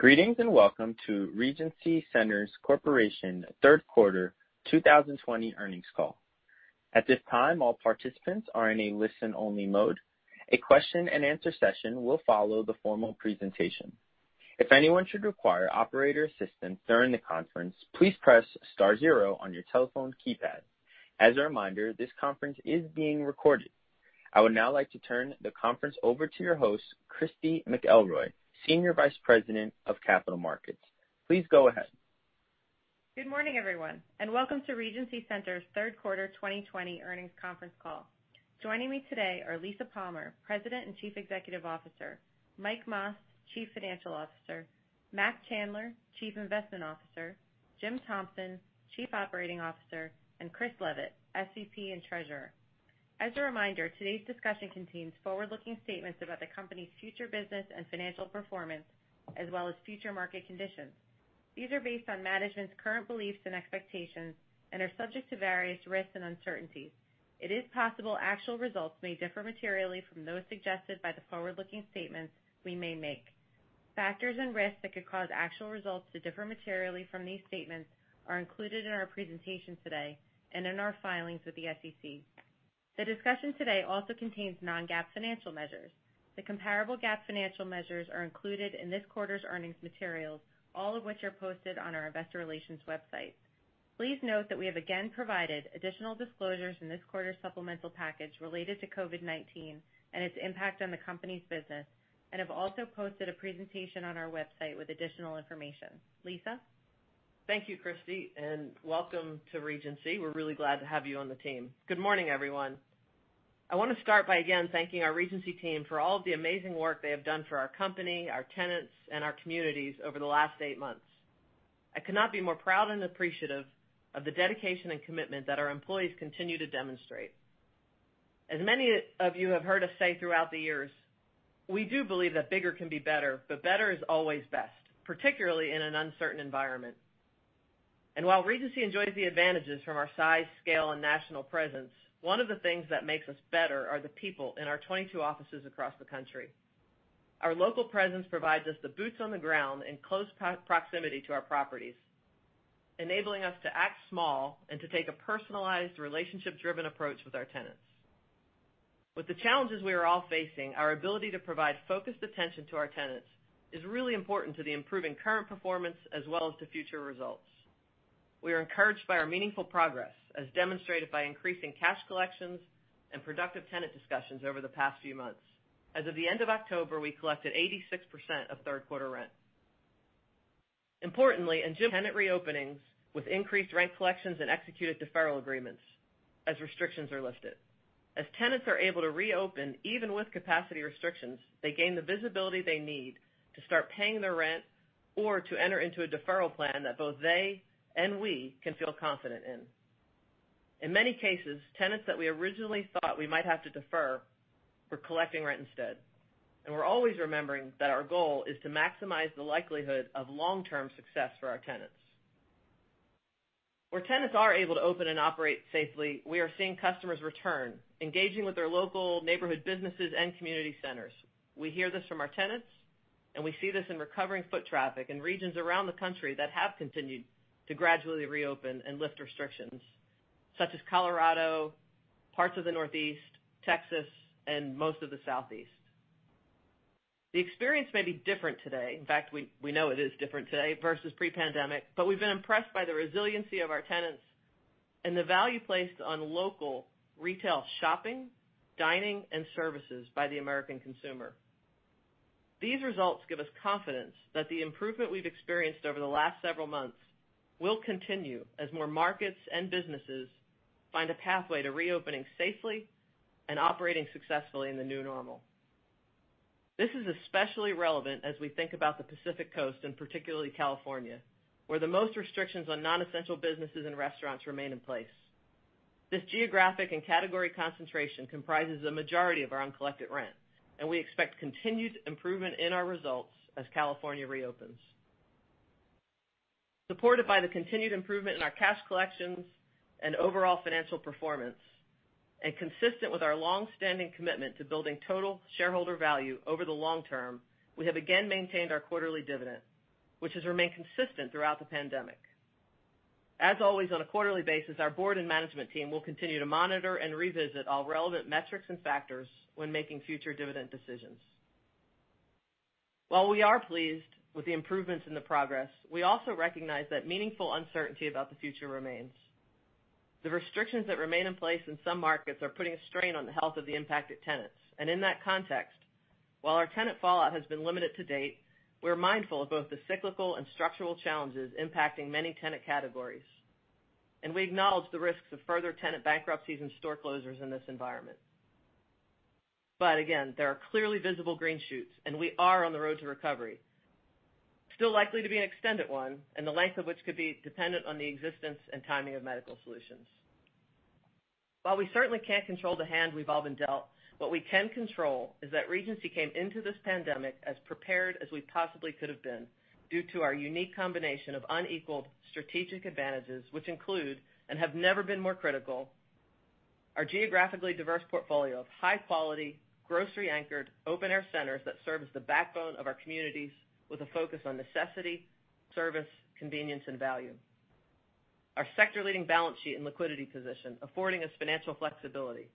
Greetings and welcome to Regency Centers Corporation third quarter 2020 Earnings Call. At this time, all participants are in a listen-only mode. A question-and-answer session will follow the formal presentation. If anyone should require operator assistance during the conference, please press star zero on your telephone keypad. As a reminder, this conference is being recorded. I would now like to turn the conference over to your host, Christy McElroy, Senior Vice President of Capital Markets. Please go ahead. Good morning, everyone, and welcome to Regency Centers' third quarter 2020 Earnings Conference Call. Joining me today are Lisa Palmer, President and Chief Executive Officer, Mike Mas, Chief Financial Officer, Mac Chandler, Chief Investment Officer, Jim Thompson, Chief Operating Officer, and Chris Leavitt, SVP and Treasurer. As a reminder, today's discussion contains forward-looking statements about the company's future business and financial performance, as well as future market conditions. These are based on management's current beliefs and expectations and are subject to various risks and uncertainties. It is possible actual results may differ materially from those suggested by the forward-looking statements we may make. Factors and risks that could cause actual results to differ materially from these statements are included in our presentation today and in our filings with the SEC. The discussion today also contains non-GAAP financial measures. The comparable GAAP financial measures are included in this quarter's earnings materials, all of which are posted on our investor relations website. Please note that we have again provided additional disclosures in this quarter's supplemental package related to COVID-19 and its impact on the company's business, and have also posted a presentation on our website with additional information. Lisa? Thank you, Christy, welcome to Regency. We're really glad to have you on the team. Good morning, everyone. I want to start by again thanking our Regency team for all of the amazing work they have done for our company, our tenants, and our communities over the last eight months. I could not be more proud and appreciative of the dedication and commitment that our employees continue to demonstrate. As many of you have heard us say throughout the years, we do believe that bigger can be better, but better is always best, particularly in an uncertain environment. While Regency enjoys the advantages from our size, scale, and national presence, one of the things that makes us better are the people in our 22 offices across the country. Our local presence provides us the boots on the ground and close proximity to our properties, enabling us to act small and to take a personalized, relationship-driven approach with our tenants. With the challenges we are all facing, our ability to provide focused attention to our tenants is really important to the improving current performance as well as to future results. We are encouraged by our meaningful progress, as demonstrated by increasing cash collections and productive tenant discussions over the past few months. As of the end of October, we collected 86% of third quarter rent. Importantly, in tenant reopenings with increased rent collections and executed deferral agreements as restrictions are lifted. As tenants are able to reopen, even with capacity restrictions, they gain the visibility they need to start paying their rent or to enter into a deferral plan that both they and we can feel confident in. In many cases, tenants that we originally thought we might have to defer, we're collecting rent instead. We're always remembering that our goal is to maximize the likelihood of long-term success for our tenants. Where tenants are able to open and operate safely, we are seeing customers return, engaging with their local neighborhood businesses and community centers. We hear this from our tenants, and we see this in recovering foot traffic in regions around the country that have continued to gradually reopen and lift restrictions, such as Colorado, parts of the Northeast, Texas, and most of the Southeast. The experience may be different today. In fact, we know it is different today versus pre-pandemic. We've been impressed by the resiliency of our tenants and the value placed on local retail shopping, dining, and services by the American consumer. These results give us confidence that the improvement we've experienced over the last several months will continue as more markets and businesses find a pathway to reopening safely and operating successfully in the new normal. This is especially relevant as we think about the Pacific Coast, and particularly California, where the most restrictions on non-essential businesses and restaurants remain in place. This geographic and category concentration comprises a majority of our uncollected rent, and we expect continued improvement in our results as California re-opens. Supported by the continued improvement in our cash collections and overall financial performance, and consistent with our long-standing commitment to building total shareholder value over the long-term, we have again maintained our quarterly dividend, which has remained consistent throughout the pandemic. As always, on a quarterly basis, our board and management team will continue to monitor and revisit all relevant metrics and factors when making future dividend decisions. While we are pleased with the improvements and the progress, we also recognize that meaningful uncertainty about the future remains. The restrictions that remain in place in some markets are putting a strain on the health of the impacted tenants. In that context, while our tenant fallout has been limited to date, we're mindful of both the cyclical and structural challenges impacting many tenant categories. We acknowledge the risks of further tenant bankruptcies and store closures in this environment. Again, there are clearly visible green shoots, and we are on the road to recovery. Still likely to be an extended one, and the length of which could be dependent on the existence and timing of medical solutions. While we certainly can't control the hand we've all been dealt, what we can control is that Regency came into this pandemic as prepared as we possibly could have been due to our unique combination of unequaled strategic advantages, which include, and have never been more critical. Our geographically diverse portfolio of high quality, grocery anchored, open air centers that serve as the backbone of our communities with a focus on necessity, service, convenience, and value. Our sector leading balance sheet and liquidity position, affording us financial flexibility.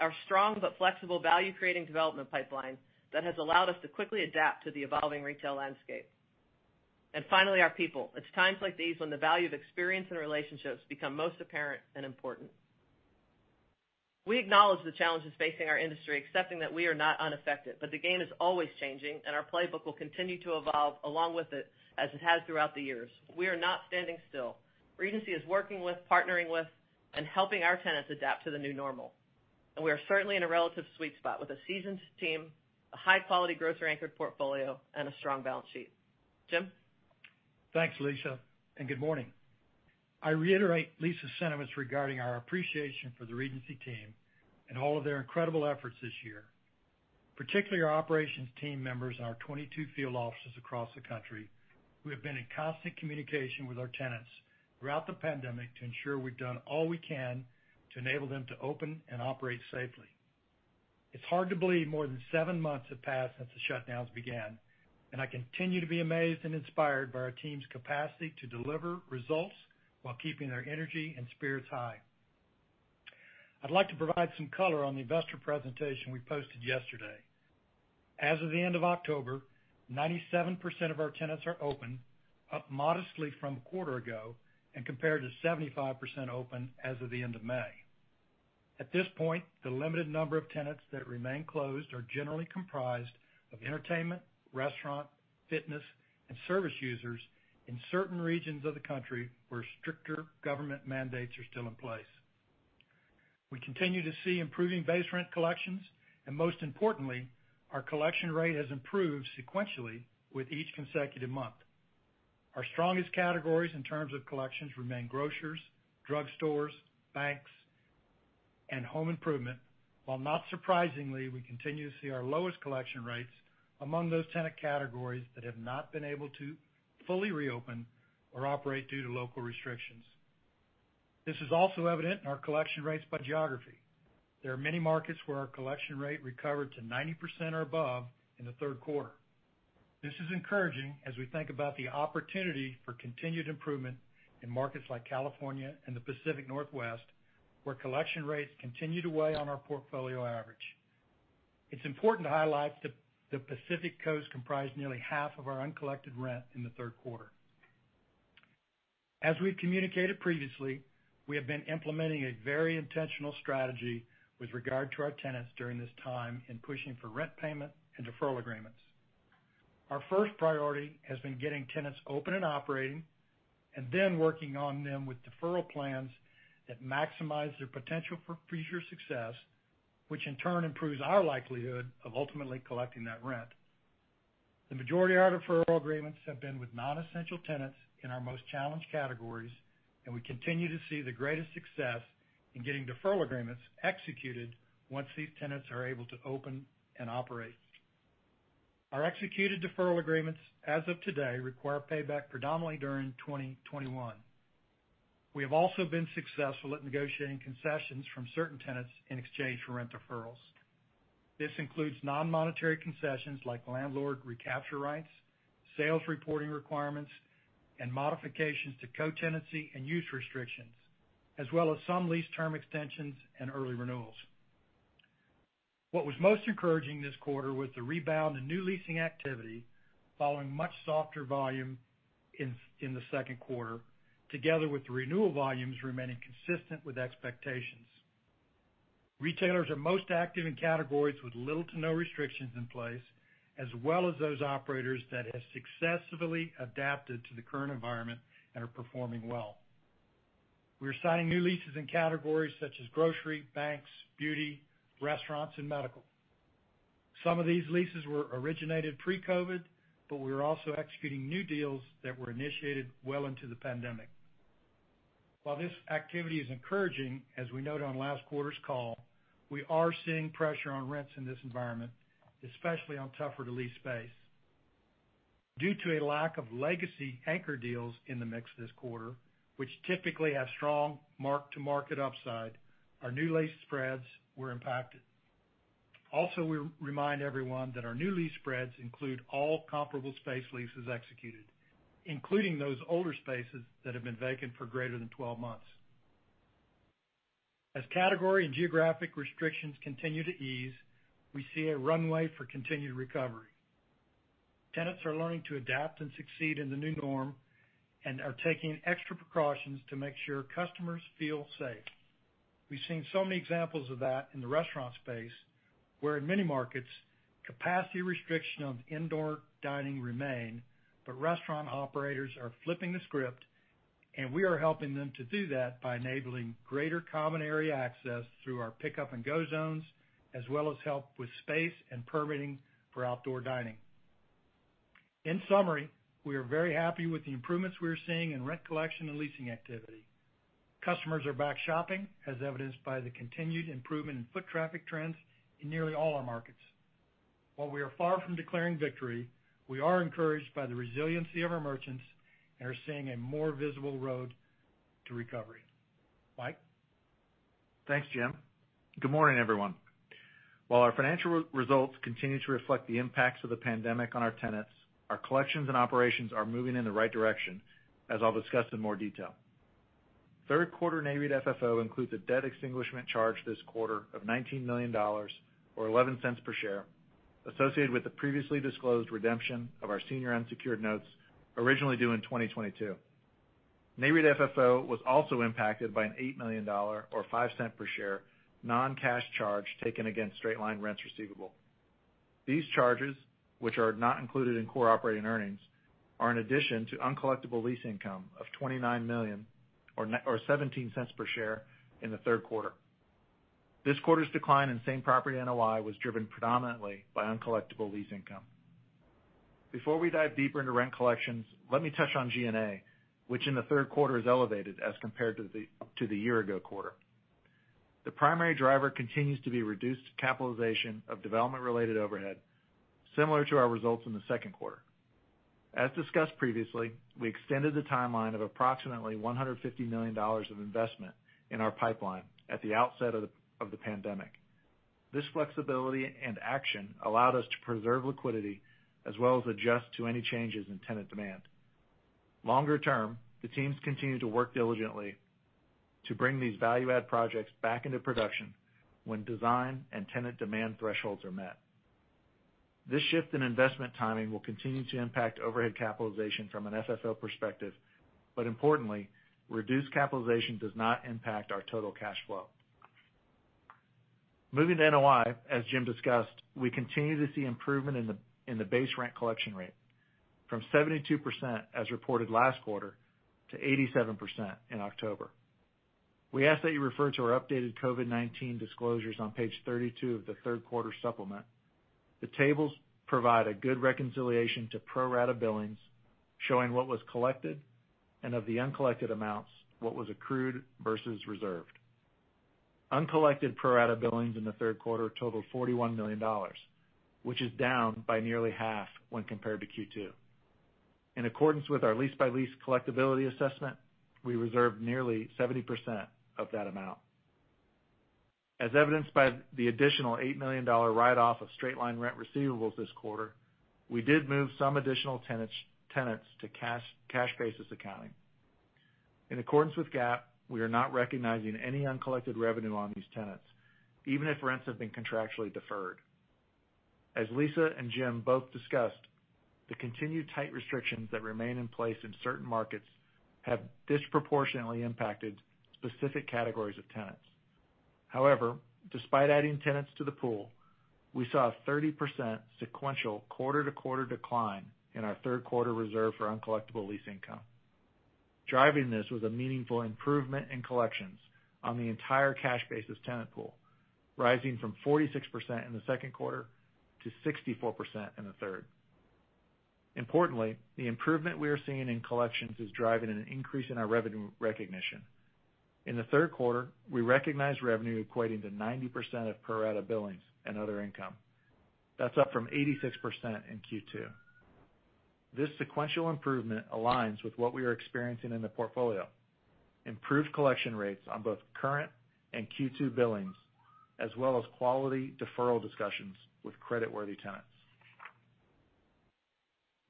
Our strong but flexible value creating development pipeline that has allowed us to quickly adapt to the evolving retail landscape. Finally, our people. It's times like these when the value of experience and relationships become most apparent and important. We acknowledge the challenges facing our industry, accepting that we are not unaffected, but the game is always changing, and our playbook will continue to evolve along with it, as it has throughout the years. We are not standing still. Regency is working with, partnering with, and helping our tenants adapt to the new normal. We are certainly in a relative sweet spot with a seasoned team, a high-quality grocery anchored portfolio, and a strong balance sheet. Jim? Thanks, Lisa. Good morning. I reiterate Lisa's sentiments regarding our appreciation for the Regency team and all of their incredible efforts this year, particularly our operations team members in our 22 field offices across the country who have been in constant communication with our tenants throughout the pandemic to ensure we've done all we can to enable them to open and operate safely. It's hard to believe more than seven months have passed since the shutdowns began, and I continue to be amazed and inspired by our team's capacity to deliver results while keeping their energy and spirits high. I'd like to provide some color on the investor presentation we posted yesterday. As of the end of October, 97% of our tenants are open, up modestly from a quarter ago, and compared to 75% open as of the end of May. At this point, the limited number of tenants that remain closed are generally comprised of entertainment, restaurant, fitness, and service users in certain regions of the country where stricter government mandates are still in place. We continue to see improving base rent collections. Most importantly, our collection rate has improved sequentially with each consecutive month. Our strongest categories in terms of collections remain grocers, drugstores, banks, and home improvement, while not surprisingly, we continue to see our lowest collection rates among those tenant categories that have not been able to fully reopen or operate due to local restrictions. This is also evident in our collection rates by geography. There are many markets where our collection rate recovered to 90% or above in the third quarter. This is encouraging as we think about the opportunity for continued improvement in markets like California and the Pacific Northwest, where collection rates continue to weigh on our portfolio average. It is important to highlight the Pacific Coast comprised nearly half of our uncollected rent in the third quarter. As we have communicated previously, we have been implementing a very intentional strategy with regard to our tenants during this time in pushing for rent payment and deferral agreements. Our first priority has been getting tenants open and operating, and then working on them with deferral plans that maximize their potential for future success, which in turn improves our likelihood of ultimately collecting that rent. The majority of our deferral agreements have been with non-essential tenants in our most challenged categories, and we continue to see the greatest success in getting deferral agreements executed once these tenants are able to open and operate. Our executed deferral agreements, as of today, require payback predominantly during 2021. We have also been successful at negotiating concessions from certain tenants in exchange for rent deferrals. This includes non-monetary concessions like landlord recapture rights, sales reporting requirements, and modifications to co-tenancy and use restrictions, as well as some lease term extensions and early renewals. What was most encouraging this quarter was the rebound in new leasing activity following much softer volume in the second quarter, together with the renewal volumes remaining consistent with expectations. Retailers are most active in categories with little to no restrictions in place, as well as those operators that have successfully adapted to the current environment and are performing well. We are signing new leases in categories such as grocery, banks, beauty, restaurants, and medical. Some of these leases were originated pre-COVID, but we are also executing new deals that were initiated well into the pandemic. While this activity is encouraging, as we noted on last quarter's call, we are seeing pressure on rents in this environment, especially on tougher to lease space. Due to a lack of legacy anchor deals in the mix this quarter, which typically have strong mark-to-market upside, our new lease spreads were impacted. Also, we remind everyone that our new lease spreads include all comparable space leases executed, including those older spaces that have been vacant for greater than 12 months. As category and geographic restrictions continue to ease, we see a runway for continued recovery. Tenants are learning to adapt and succeed in the new norm and are taking extra precautions to make sure customers feel safe. We've seen so many examples of that in the restaurant space, where in many markets, capacity restriction on indoor dining remain, but restaurant operators are flipping the script, and we are helping them to do that by enabling greater common area access through our pickup and go zones, as well as help with space and permitting for outdoor dining. In summary, we are very happy with the improvements we are seeing in rent collection and leasing activity. Customers are back shopping, as evidenced by the continued improvement in foot traffic trends in nearly all our markets. While we are far from declaring victory, we are encouraged by the resiliency of our merchants and are seeing a more visible road to recovery. Mike? Thanks, Jim. Good morning, everyone. While our financial results continue to reflect the impacts of the pandemic on our tenants, our collections and operations are moving in the right direction, as I'll discuss in more detail. third quarter Nareit FFO includes a debt extinguishment charge this quarter of $19 million, or $0.11 per share, associated with the previously disclosed redemption of our senior unsecured notes, originally due in 2022. Nareit FFO was also impacted by an $8 million, or $0.05 per share, non-cash charge taken against straight-line rents receivable. These charges, which are not included in core operating earnings, are in addition to uncollectible lease income of $29 million or $0.17 per share in the third quarter. This quarter's decline in same-property NOI was driven predominantly by uncollectible lease income. Before we dive deeper into rent collections, let me touch on G&A, which in the third quarter is elevated as compared to the year-ago quarter. The primary driver continues to be reduced capitalization of development-related overhead, similar to our results in the second quarter. As discussed previously, we extended the timeline of approximately $150 million of investment in our pipeline at the outset of the pandemic. This flexibility and action allowed us to preserve liquidity as well as adjust to any changes in tenant demand. Longer-term, the teams continue to work diligently to bring these value-add projects back into production when design and tenant demand thresholds are met. This shift in investment timing will continue to impact overhead capitalization from an FFO perspective, but importantly, reduced capitalization does not impact our total cash flow. Moving to NOI, as Jim discussed, we continue to see improvement in the base rent collection rate from 72% as reported last quarter to 87% in October. We ask that you refer to our updated COVID-19 disclosures on page 32 of the third quarter supplement. The tables provide a good reconciliation to pro-rata billings, showing what was collected, and of the uncollected amounts, what was accrued versus reserved. Uncollected pro-rata billings in the third quarter totaled $41 million, which is down by nearly half when compared to Q2. In accordance with our lease-by-lease collectibility assessment, we reserved nearly 70% of that amount. As evidenced by the additional $8 million write-off of straight-line rent receivables this quarter, we did move some additional tenants to cash basis accounting. In accordance with GAAP, we are not recognizing any uncollected revenue on these tenants, even if rents have been contractually deferred. As Lisa and Jim both discussed, the continued tight restrictions that remain in place in certain markets have disproportionately impacted specific categories of tenants. However, despite adding tenants to the pool, we saw a 30% sequential quarter-to-quarter decline in our third quarter reserve for uncollectible lease income. Driving this was a meaningful improvement in collections on the entire cash basis tenant pool, rising from 46% in the second quarter to 64% in the third. Importantly, the improvement we are seeing in collections is driving an increase in our revenue recognition. In the third quarter, we recognized revenue equating to 90% of pro-rata billings and other income. That's up from 86% in Q2. This sequential improvement aligns with what we are experiencing in the portfolio. Improved collection rates on both current and Q2 billings, as well as quality deferral discussions with creditworthy tenants.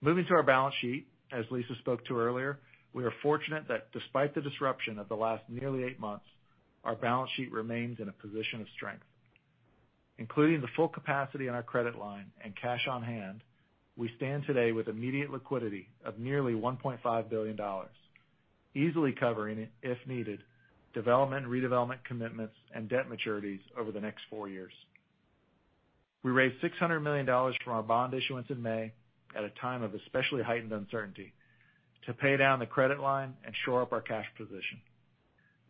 Moving to our balance sheet, as Lisa spoke to earlier, we are fortunate that despite the disruption of the last nearly eight months, our balance sheet remains in a position of strength. Including the full capacity on our credit line and cash on hand, we stand today with immediate liquidity of nearly $1.5 billion, easily covering, if needed, development and redevelopment commitments and debt maturities over the next four years. We raised $600 million from our bond issuance in May at a time of especially heightened uncertainty to pay down the credit line and shore up our cash position.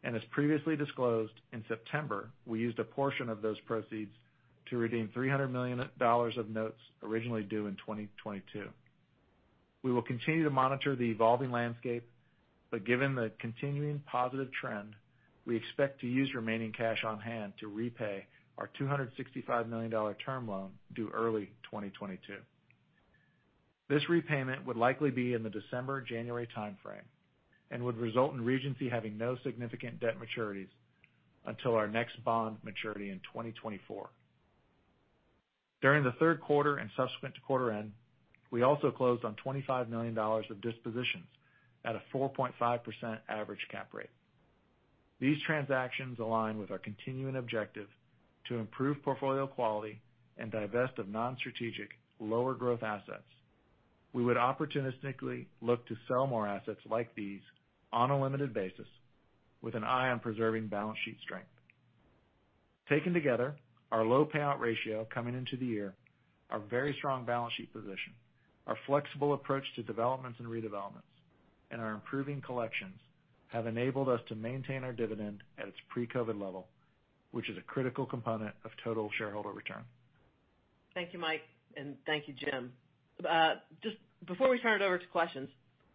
As previously disclosed, in September, we used a portion of those proceeds to redeem $300 million of notes originally due in 2022. We will continue to monitor the evolving landscape, but given the continuing positive trend, we expect to use remaining cash on hand to repay our $265 million term loan due early 2022. This repayment would likely be in the December-January timeframe and would result in Regency having no significant debt maturities until our next bond maturity in 2024. During the third quarter and subsequent to quarter end, we also closed on $25 million of dispositions at a 4.5% average cap rate. These transactions align with our continuing objective to improve portfolio quality and divest of non-strategic, lower growth assets. We would opportunistically look to sell more assets like these on a limited basis with an eye on preserving balance sheet strength. Taken together, our low payout ratio coming into the year, our very strong balance sheet position, our flexible approach to developments and redevelopments, and our improving collections have enabled us to maintain our dividend at its pre-COVID level, which is a critical component of total shareholder return. Thank you, Mike, and thank you, Jim. Before we turn it over to questions.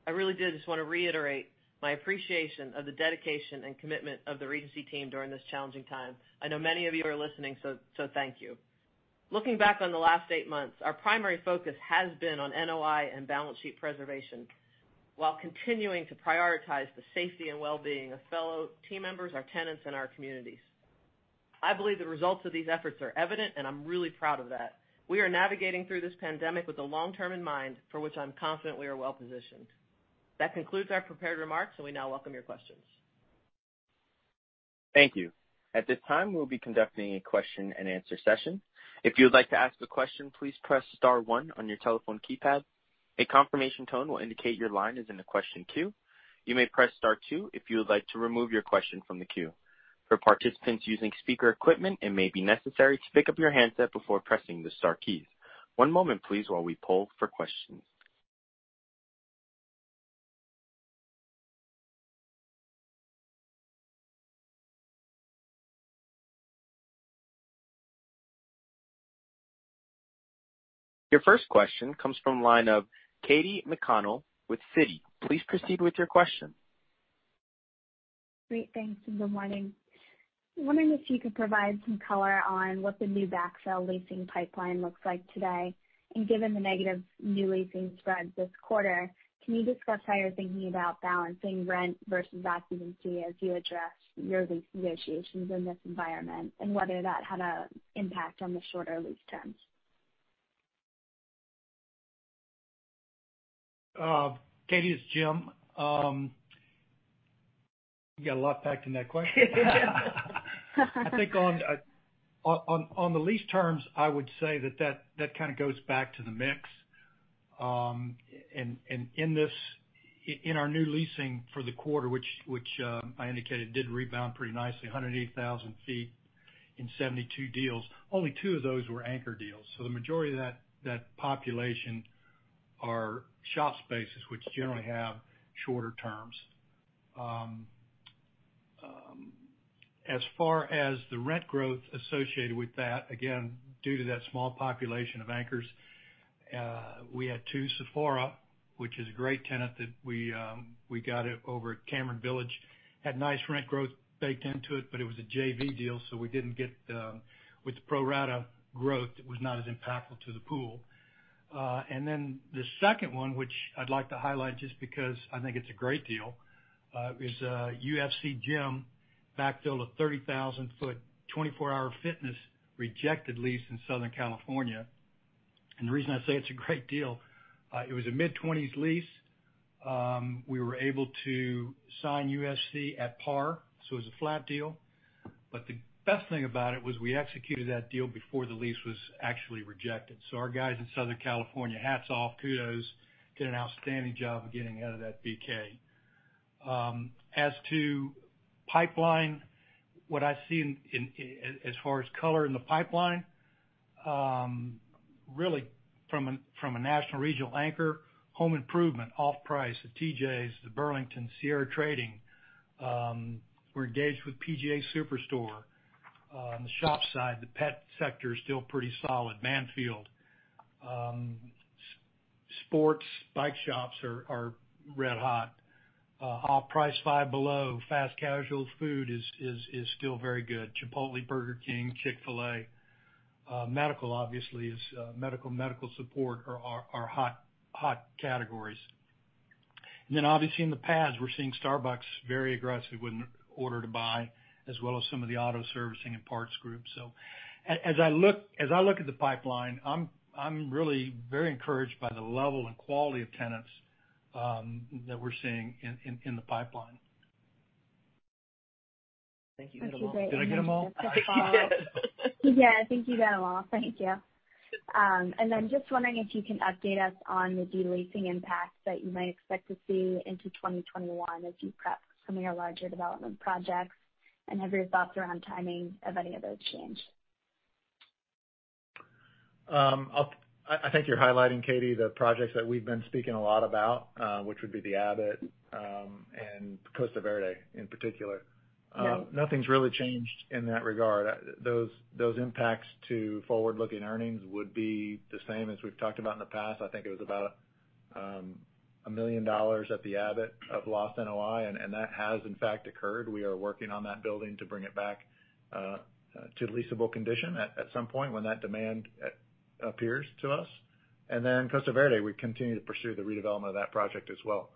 I really did just want to reiterate my appreciation of the dedication and commitment of the Regency team during this challenging time. I know many of you are listening. Thank you. Looking back on the last eight months, our primary focus has been on NOI and balance sheet preservation, while continuing to prioritize the safety and well-being of fellow team members, our tenants, and our communities. I believe the results of these efforts are evident, and I'm really proud of that. We are navigating through this pandemic with the long-term in mind, for which I'm confident we are well-positioned. That concludes our prepared remarks. We now welcome your questions. Thank you. At this time, we'll be conducting a question-and-answer session. If you'd like to ask a question, please press star one on your telephone keypad. A confirmation tone will indicate your line is in a question queue. You may press star two if you would like to remove your question from the queue. For participants using speaker equipment, it may be necessary to pick up your handset before pressing the star keys. One moment, please, while we poll for questions. Your first question comes from line of Katy McConnell with Citi. Please proceed with your question. Great. Thanks, good morning. I'm wondering if you could provide some color on what the new backfill leasing pipeline looks like today, and given the negative new leasing spreads this quarter, can you discuss how you're thinking about balancing rent versus occupancy as you address your lease negotiations in this environment, and whether that had an impact on the shorter lease terms? Katy, it's Jim. You got a lot packed in that question. I think on the lease terms, I would say that kind of goes back to the mix. In our new leasing for the quarter, which I indicated did rebound pretty nicely, 108,000 feet in 72 deals, only two of those were anchor deals. The majority of that population are shop spaces, which generally have shorter-terms. As far as the rent growth associated with that, again, due to that small population of anchors, we had two Sephora, which is a great tenant that we got over at Cameron Village. Had nice rent growth baked into it, but it was a JV deal, so we didn't get the pro rata growth. It was not as impactful to the pool. The second one, which I'd like to highlight just because I think it's a great deal, is a UFC GYM backfill, a 30,000-foot, 24 Hour Fitness-rejected lease in Southern California. The reason I say it's a great deal, it was a mid-'20s lease. We were able to sign UFC at par, so it was a flat deal. The best thing about it was we executed that deal before the lease was actually rejected. Our guys in Southern California, hats off, kudos. Did an outstanding job of getting out of that BK. As to pipeline, what I see as far as color in the pipeline, really from a national regional anchor, home improvement, off-price, the TJs, the Burlington, Sierra Trading. We're engaged with PGA Superstore. On the shop side, the pet sector is still pretty solid. Banfield. Sports, bike shops are red hot. Off-price, Five Below, fast casual food is still very good. Chipotle, Burger King, Chick-fil-A. Medical obviously is Medical and medical support are hot categories. Obviously in the pads, we're seeing Starbucks very aggressive with an order to buy, as well as some of the auto servicing and parts groups. As I look at the pipeline, I'm really very encouraged by the level and quality of tenants that we're seeing in the pipeline. Thank you. You got them all. Thank you very much. Did I get them all? I think you did. Yeah. I think you got them all. Thank you. Just wondering if you can update us on the de-leasing impacts that you might expect to see into 2021 as you prep some of your larger development projects, and have you thought around timing of any of those change? I think you're highlighting, Katy, the projects that we've been speaking a lot about, which would be The Abbot, and Costa Verde in particular. Yeah. Nothing's really changed in that regard. Those impacts to forward-looking earnings would be the same as we've talked about in the past. I think it was about $1 million at The Abbot of lost NOI, and that has in fact occurred. We are working on that building to bring it back to leasable condition at some point when that demand appears to us. Then Costa Verde Center, we continue to pursue the redevelopment of that project as well.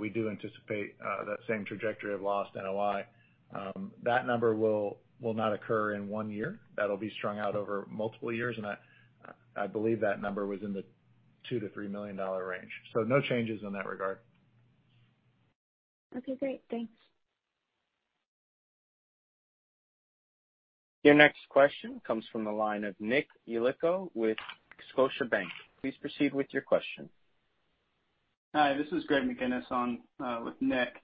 We do anticipate that same trajectory of lost NOI. That number will not occur in one year. That'll be strung out over multiple years, and I believe that number was in the $2 million to $3 million range. No changes in that regard. Okay, great. Thanks. Your next question comes from the line of Nicholas Yulico with Scotiabank. Please proceed with your question. Hi, this is Greg McGinnis on with Nick.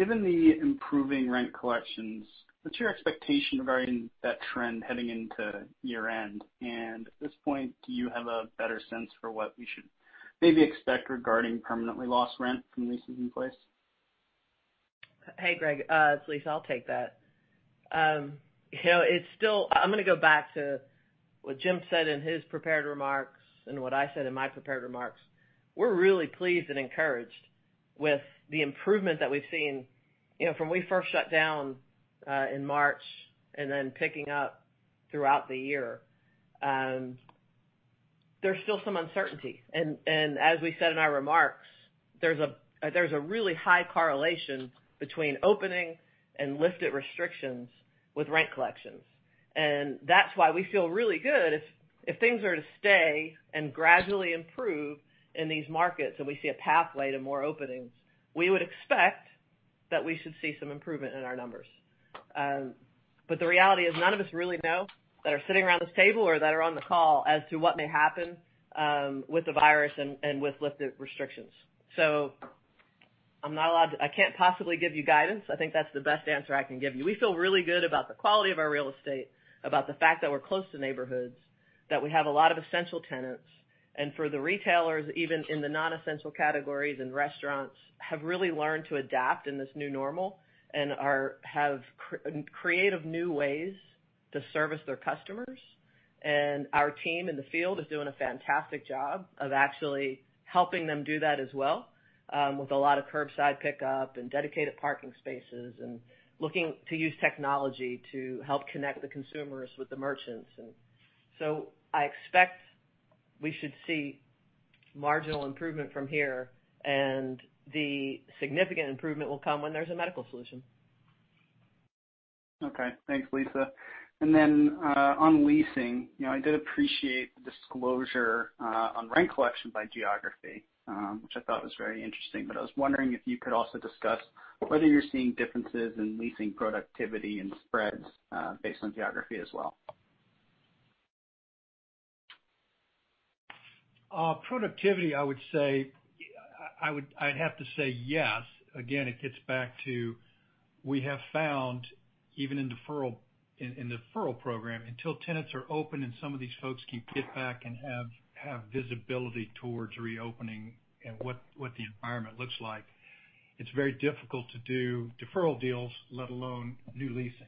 Given the improving rent collections, what's your expectation regarding that trend heading into year-end? At this point, do you have a better sense for what we should maybe expect regarding permanently lost rent from leases in place? Hey, Greg. It's Lisa. I'll take that. I'm going to go back to what Jim said in his prepared remarks and what I said in my prepared remarks. We're really pleased and encouraged with the improvement that we've seen from when we first shut down in March and then picking up throughout the year. There's still some uncertainty. As we said in our remarks, there's a really high correlation between opening and lifted restrictions with rent collections. That's why we feel really good if things are to stay and gradually improve in these markets, and we see a pathway to more openings. We would expect that we should see some improvement in our numbers. The reality is none of us really know, that are sitting around this table or that are on the call, as to what may happen with the virus and with lifted restrictions. I can't possibly give you guidance. I think that's the best answer I can give you. We feel really good about the quality of our real estate, about the fact that we're close to neighborhoods, that we have a lot of essential tenants, and for the retailers, even in the non-essential categories, and restaurants have really learned to adapt in this new normal and have creative new ways to service their customers. Our team in the field is doing a fantastic job of actually helping them do that as well, with a lot of curbside pickup and dedicated parking spaces, and looking to use technology to help connect the consumers with the merchants. I expect we should see marginal improvement from here, and the significant improvement will come when there's a medical solution. Okay. Thanks, Lisa. On leasing, I did appreciate the disclosure on rent collection by geography, which I thought was very interesting. I was wondering if you could also discuss whether you're seeing differences in leasing productivity and spreads, based on geography as well. Productivity, I'd have to say yes. Again, it gets back to, we have found even in the deferral program, until tenants are open and some of these folks can get back and have visibility towards reopening and what the environment looks like, it's very difficult to do deferral deals, let alone new leasing.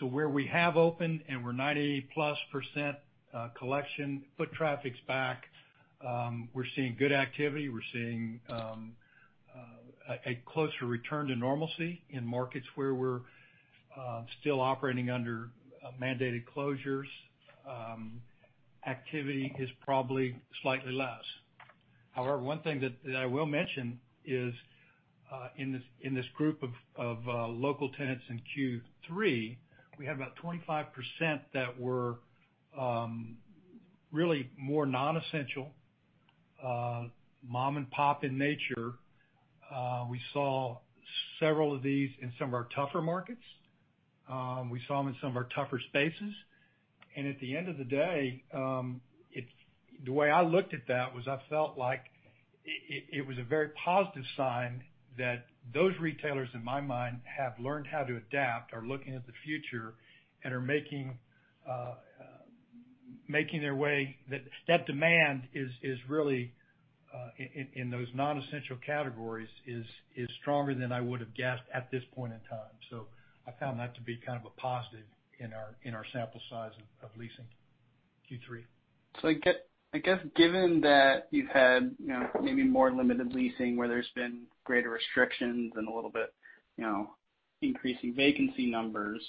Where we have opened and we're 90%+ collection, foot traffic's back. We're seeing good activity. We're seeing a closer return to normalcy in markets where we're still operating under mandated closures. Activity is probably slightly less. However, one thing that I will mention is, in this group of local tenants in Q3, we had about 25% that were really more non-essential, mom-and-pop in nature. We saw several of these in some of our tougher markets. We saw them in some of our tougher spaces. At the end of the day, the way I looked at that was I felt like it was a very positive sign that those retailers, in my mind, have learned how to adapt, are looking at the future, and are making their way, that that demand is really, in those non-essential categories, is stronger than I would've guessed at this point in time. I found that to be kind of a positive in our sample size of leasing Q3. I guess given that you've had maybe more limited leasing where there's been greater restrictions and a little bit increasing vacancy numbers,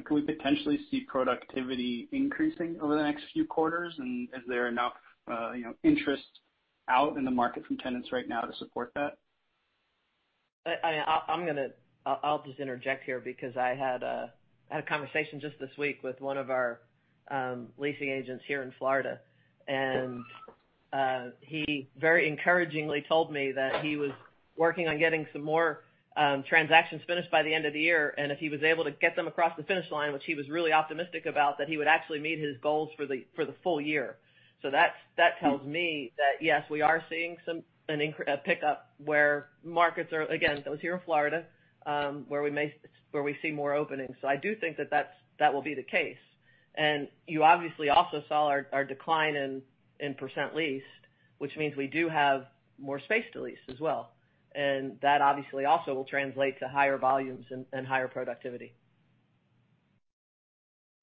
can we potentially see productivity increasing over the next few quarters? Is there enough interest out in the market from tenants right now to support that? I'll just interject here because I had a conversation just this week with one of our leasing agents here in Florida, and he very encouragingly told me that he was working on getting some more transactions finished by the end of the year, and if he was able to get them across the finish line, which he was really optimistic about, that he would actually meet his goals for the full year. That tells me that yes, we are seeing a pickup where markets are, again, it was here in Florida, where we see more openings. I do think that that will be the case. You obviously also saw our decline in percentage leased, which means we do have more space to lease as well. That obviously also will translate to higher volumes and higher productivity.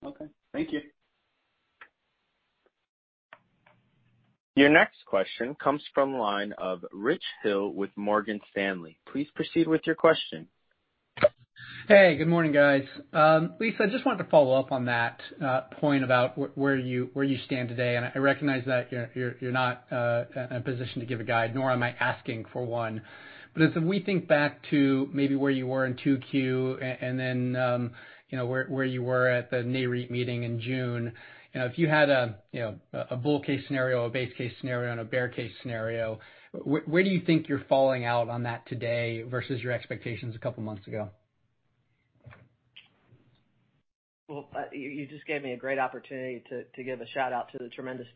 Okay. Thank you. Your next question comes from the line of Richard Hill with Morgan Stanley. Please proceed with your question. Hey, good morning, guys. Lisa, I just wanted to follow up on that point about where you stand today, I recognize that you're not in a position to give a guide, nor am I asking for one. As we think back to maybe where you were in 2Q and then where you were at the Nareit meeting in June, if you had a bull case scenario, a base case scenario, and a bear case scenario, where do you think you're falling out on that today versus your expectations a couple of months ago? You just gave me a great opportunity to give a shout-out to the tremendous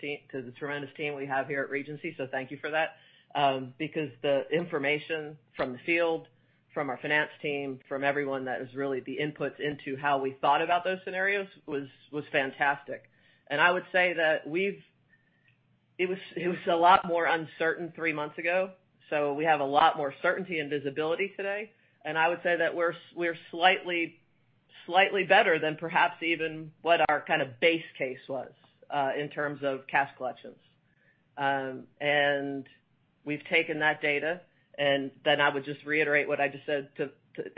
team we have here at Regency, so thank you for that. The information from the field, from our finance team, from everyone that is really the inputs into how we thought about those scenarios was fantastic. I would say that it was a lot more uncertain three months ago, so we have a lot more certainty and visibility today. I would say that we're slightly better than perhaps even what our kind of base case was in terms of cash collections. We've taken that data and then I would just reiterate what I just said to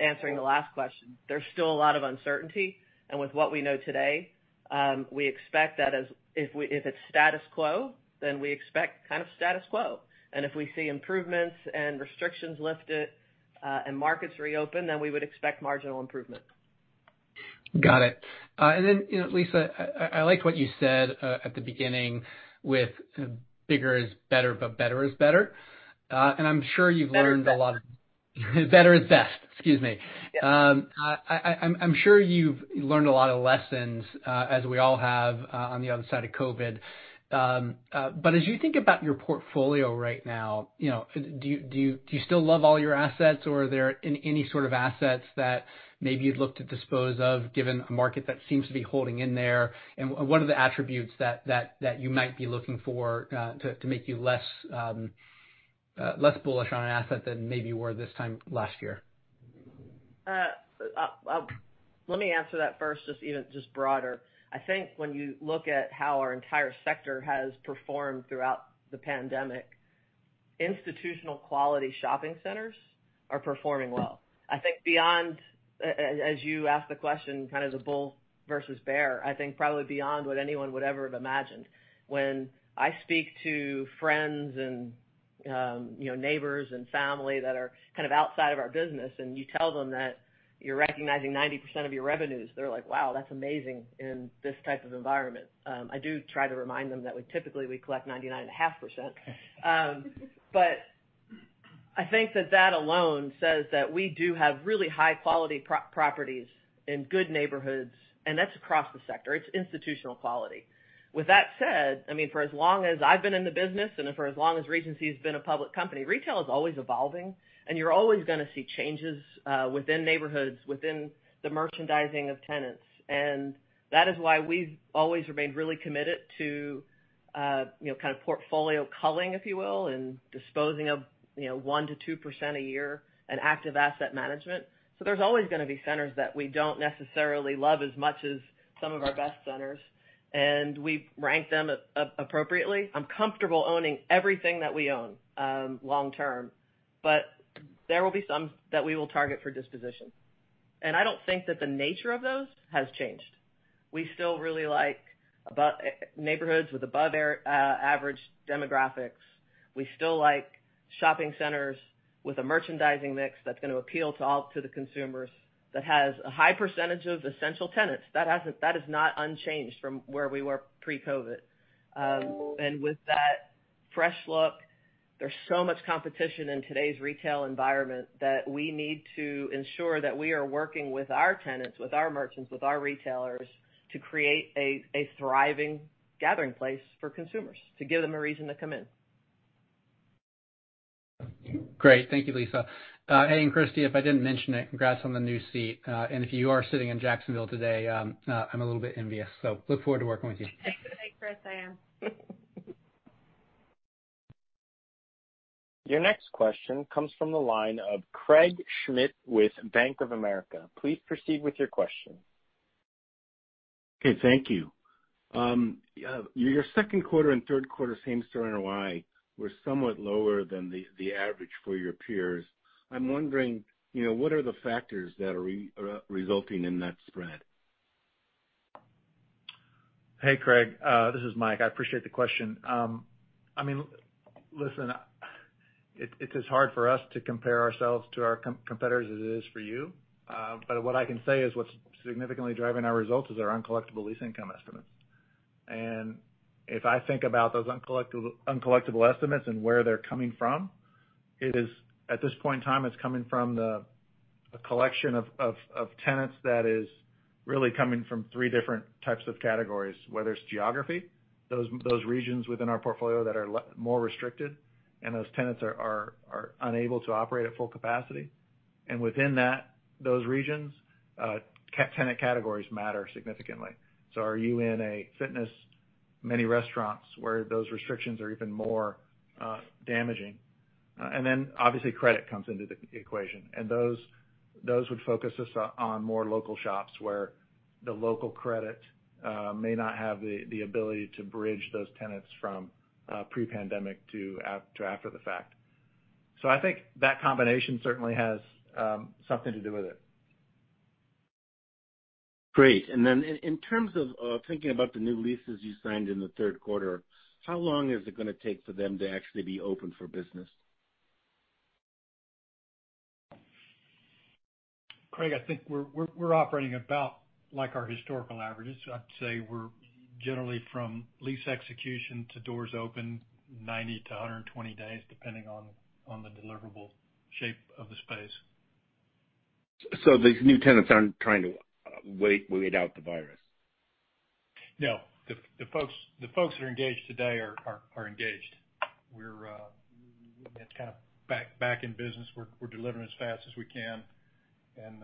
answering the last question. There's still a lot of uncertainty, and with what we know today, we expect that if it's status quo, then we expect kind of status quo. If we see improvements and restrictions lifted, and markets reopen, then we would expect marginal improvement. Got it. Then, Lisa, I liked what you said at the beginning with bigger is better, but better is better. I'm sure you've learned a lot. Better is best. Better is best. Excuse me. Yeah. I'm sure you've learned a lot of lessons, as we all have, on the other side of COVID. As you think about your portfolio right now, do you still love all your assets, or are there any sort of assets that maybe you'd look to dispose of, given a market that seems to be holding in there? What are the attributes that you might be looking for to make you less bullish on an asset than maybe you were this time last year? Let me answer that first, just broader. I think when you look at how our entire sector has performed throughout the pandemic, institutional quality shopping centers are performing well. I think beyond, as you asked the question, kind of the bull versus bear, I think probably beyond what anyone would ever have imagined. When I speak to friends and neighbors and family that are kind of outside of our business, and you tell them that you're recognizing 90% of your revenues, they're like, "Wow, that's amazing in this type of environment." I do try to remind them that we typically collect 99.5%. I think that that alone says that we do have really high-quality properties in good neighborhoods, and that's across the sector. It's institutional quality. With that said, for as long as I've been in the business and for as long as Regency has been a public company, retail is always evolving and you're always going to see changes within neighborhoods, within the merchandising of tenants. That is why we've always remained really committed to kind of portfolio culling, if you will, and disposing of 1%-2% a year in active asset management. There's always going to be centers that we don't necessarily love as much as some of our best centers, and we rank them appropriately. I'm comfortable owning everything that we own long-term, there will be some that we will target for disposition. I don't think that the nature of those has changed. We still really like neighborhoods with above average demographics. We still like shopping centers with a merchandising mix that's going to appeal to the consumers, that has a high percentage of essential tenants. That is not unchanged from where we were pre-COVID. With that fresh look, there's so much competition in today's retail environment that we need to ensure that we are working with our tenants, with our merchants, with our retailers, to create a thriving gathering place for consumers to give them a reason to come in. Great. Thank you, Lisa. Christy, if I didn't mention it, congrats on the new seat. If you are sitting in Jacksonville today, I'm a little bit envious. Look forward to working with you. Thanks, Rich, I am. Your next question comes from the line of Craig Schmidt with Bank of America. Please proceed with your question. Okay, thank you. Your second quarter and third quarter same store NOI were somewhat lower than the average for your peers. I'm wondering, what are the factors that are resulting in that spread? Hey, Craig. This is Mike. I appreciate the question. It's as hard for us to compare ourselves to our competitors as it is for you. What I can say is what's significantly driving our results is our uncollectible lease income estimates. If I think about those uncollectible estimates and where they're coming from, at this point in time, it's coming from the collection of tenants that is really coming from three different types of categories, whether it's geography, those regions within our portfolio that are more restricted and those tenants are unable to operate at full capacity. Within those regions, tenant categories matter significantly. Are you in a fitness, many restaurants, where those restrictions are even more damaging? Obviously credit comes into the equation. Those would focus us on more local shops where the local credit may not have the ability to bridge those tenants from pre-pandemic to after the fact. I think that combination certainly has something to do with it. Great. In terms of thinking about the new leases you signed in the third quarter, how long is it going to take for them to actually be open for business? Craig, I think we're operating about like our historical averages. I'd say we're generally from lease execution to doors open, 90-120 days, depending on the deliverable shape of the space. These new tenants aren't trying to wait out the virus. No. The folks that are engaged today are engaged. It's kind of back in business. We're delivering as fast as we can, and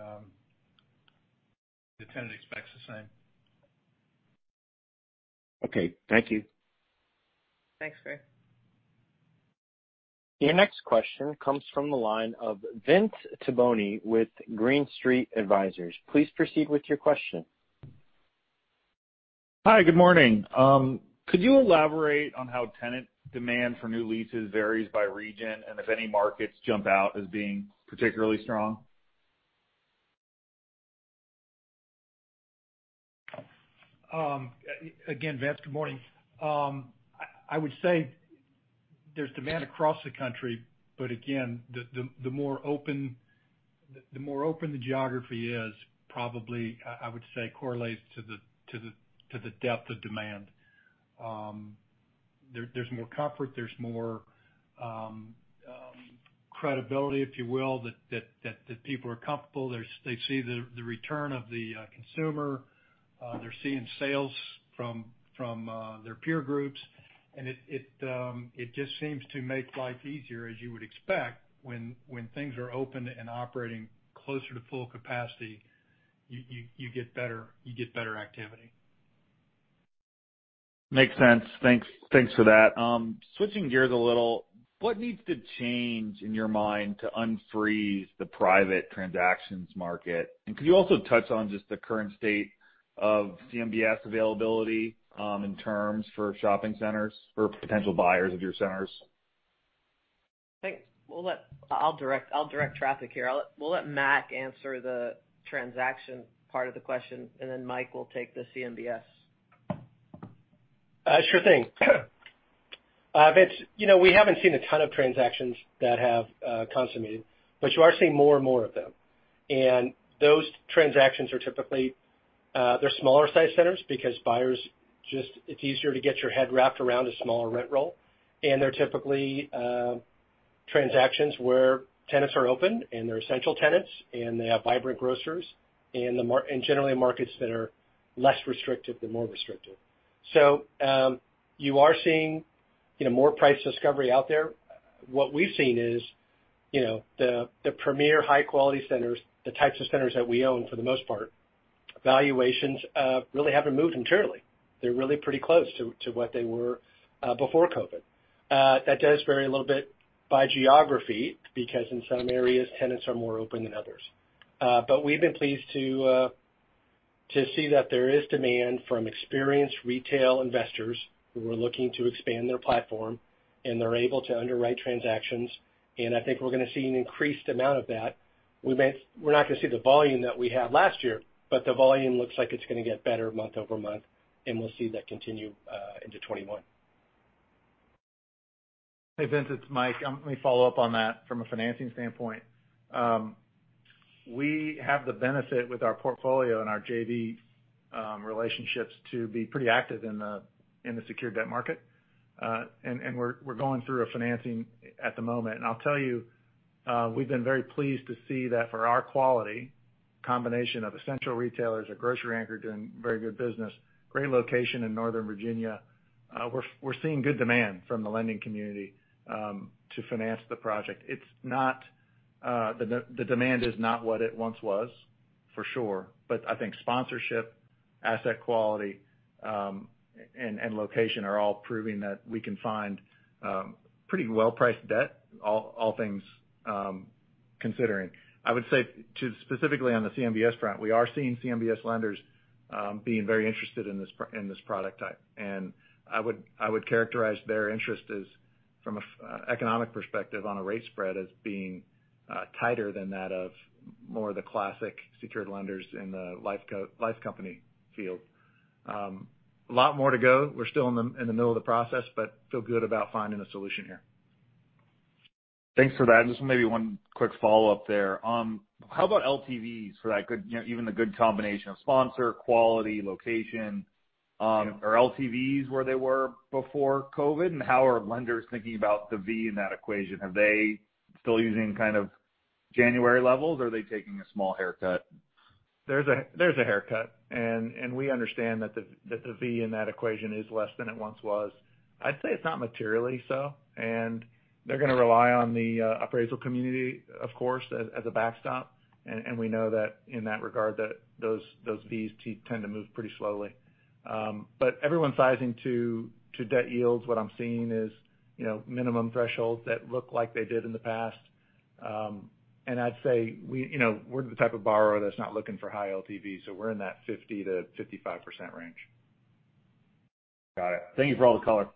the tenant expects the same. Okay. Thank you. Thanks, Craig. Your next question comes from the line of Vince Tibone with Green Street Advisors. Please proceed with your question. Hi, good morning. Could you elaborate on how tenant demand for new leases varies by region, and if any markets jump out as being particularly strong? Again, Vince, good morning. I would say there's demand across the country, but again, the more open the geography is, probably, I would say, correlates to the depth of demand. There's more comfort, there's more credibility, if you will, that people are comfortable. They see the return of the consumer. They're seeing sales from their peer groups. It just seems to make life easier, as you would expect, when things are open and operating closer to full capacity, you get better activity. Makes sense. Thanks for that. Switching gears a little, what needs to change in your mind to unfreeze the private transactions market? Could you also touch on just the current state of CMBS availability, in terms for shopping centers, for potential buyers of your centers? Thanks. I'll direct traffic here. We'll let Mac answer the transaction part of the question, and then Mike will take the CMBS. Sure thing. Vince, we haven't seen a ton of transactions that have consummated, but you are seeing more and more of them. Those transactions are typically smaller-sized centers because it's easier to get your head wrapped around a smaller rent roll. They're typically transactions where tenants are open, and they're essential tenants, and they have vibrant grocers. Generally, markets that are less restrictive than more restrictive. You are seeing more price discovery out there. What we've seen is, the premier high-quality centers, the types of centers that we own for the most part, valuations really haven't moved materially. They're really pretty close to what they were before COVID. That does vary a little bit by geography, because in some areas, tenants are more open than others. We've been pleased to see that there is demand from experienced retail investors who are looking to expand their platform, and they're able to underwrite transactions. I think we're going to see an increased amount of that. We're not going to see the volume that we had last year, but the volume looks like it's going to get better month-over-month, and we'll see that continue into 2021. Hey, Vince, it's Mike. Let me follow up on that from a financing standpoint. We have the benefit with our portfolio and our JV relationships to be pretty active in the secured debt market. We're going through a financing at the moment. I'll tell you, we've been very pleased to see that for our quality combination of essential retailers, a grocery anchor doing very good business, great location in Northern Virginia. We're seeing good demand from the lending community to finance the project. The demand is not what it once was, for sure. I think sponsorship, asset quality, and location are all proving that we can find pretty well-priced debt, all things considering. I would say specifically on the CMBS front, we are seeing CMBS lenders being very interested in this product type. I would characterize their interest as from an economic perspective on a rate spread as being tighter than that of more of the classic secured lenders in the life company field. A lot more to go. We're still in the middle of the process, but feel good about finding a solution here. Thanks for that. Just maybe one quick follow-up there. How about LTVs for that, even the good combination of sponsor, quality, location. Are LTVs where they were before COVID? How are lenders thinking about the V in that equation? Are they still using kind of January levels, or are they taking a small haircut? There's a haircut, and we understand that the V in that equation is less than it once was. I'd say it's not materially so, and they're going to rely on the appraisal community, of course, as a backstop. We know that in that regard, that those Vs tend to move pretty slowly. Everyone sizing to debt yields, what I'm seeing is minimum thresholds that look like they did in the past. I'd say we're the type of borrower that's not looking for high LTV, so we're in that 50%-55% range. Got it. Thank you for all the color.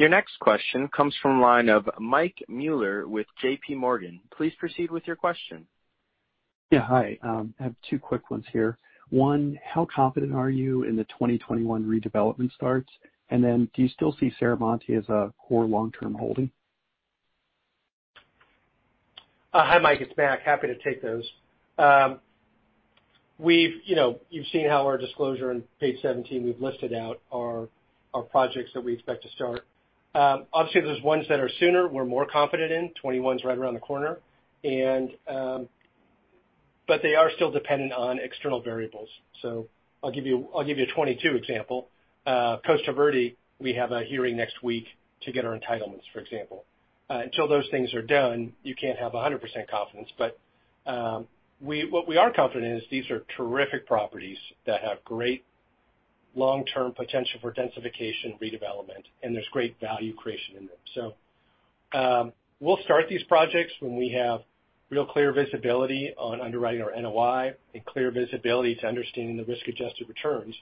Your next question comes from the line of Michael Mueller with JPMorgan. Please proceed with your question. Yeah. Hi. I have two quick ones here. One, how confident are you in the 2021 redevelopment starts? Do you still see Serramonte as a core long-term holding? Hi, Mike, it's Mac. Happy to take those. You've seen how our disclosure on page 17, we've listed out our projects that we expect to start. Obviously, there's ones that are sooner, we're more confident in. 2021's right around the corner. They are still dependent on external variables. I'll give you a 2022 example. Costa Verde, we have a hearing next week to get our entitlements, for example. Until those things are done, you can't have 100% confidence. What we are confident in is these are terrific properties that have great long-term potential for densification redevelopment, and there's great value creation in them. We'll start these projects when we have real clear visibility on underwriting our NOI and clear visibility to understanding the risk-adjusted returns.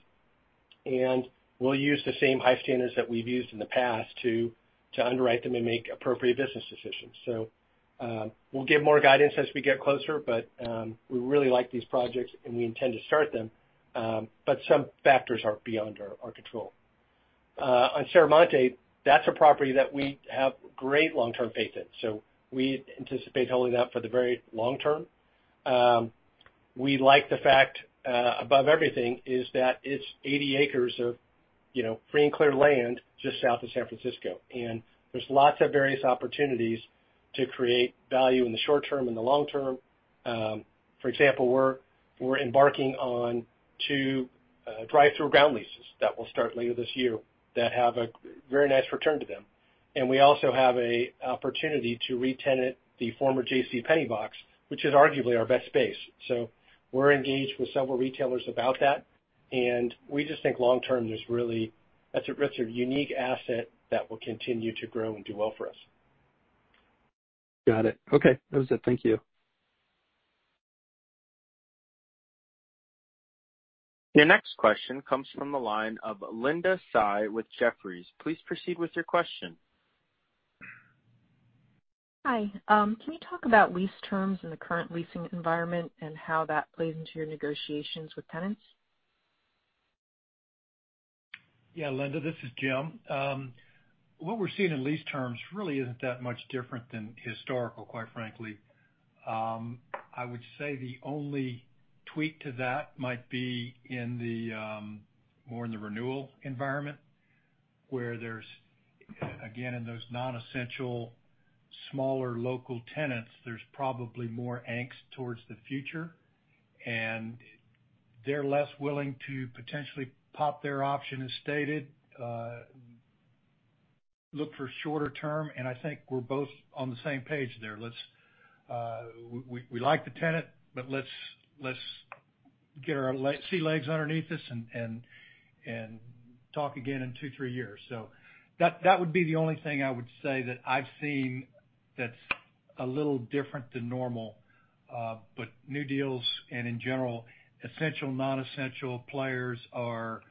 We'll use the same high standards that we've used in the past to underwrite them and make appropriate business decisions. We'll give more guidance as we get closer, but we really like these projects, and we intend to start them. Some factors are beyond our control. On Serramonte, that's a property that we have great long-term faith in. We anticipate holding that for the very long-term. We like the fact, above everything, is that it's 80 acres of free and clear land just south of San Francisco, and there's lots of various opportunities to create value in the short-term and the long-term. For example, we're embarking on two drive-through ground leases that will start later this year that have a very nice return to them. We also have an opportunity to re-tenant the former JCPenney box, which is arguably our best space. We're engaged with several retailers about that, and we just think long-term, that's a unique asset that will continue to grow and do well for us. Got it. Okay. That was it. Thank you. Your next question comes from the line of Linda Tsai with Jefferies. Please proceed with your question. Hi. Can you talk about lease terms in the current leasing environment and how that plays into your negotiations with tenants? Yeah, Linda, this is Jim. What we're seeing in lease terms really isn't that much different than historical, quite frankly. I would say the only tweak to that might be more in the renewal environment, where there's, again, in those non-essential, smaller local tenants, there's probably more angst towards the future, and they're less willing to potentially pop their option as stated, look for shorter-term. I think we're both on the same page there. We like the tenant, but let's get our sea legs underneath us and talk again in two, three years. That would be the only thing I would say that I've seen that's a little different than normal. New deals and in general, essential, non-essential players are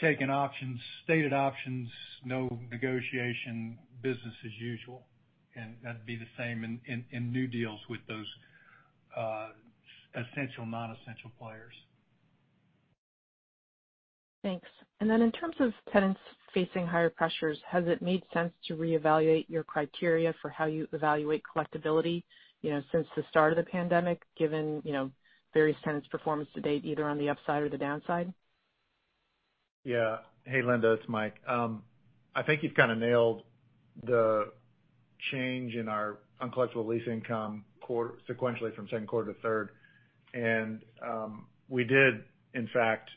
taking options, stated options, no negotiation, business as usual. That'd be the same in new deals with those essential, non-essential players. Thanks. In terms of tenants facing higher pressures, has it made sense to re-evaluate your criteria for how you evaluate collectibility since the start of the pandemic, given various tenants' performance to date, either on the upside or the downside? Yeah. Hey, Linda, it's Mike. I think you've kind of nailed the change in our uncollectible lease income sequentially from second quarter to third. We did, in fact,